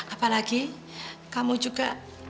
apalagi kamu juga